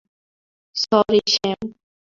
Sorry, Sam.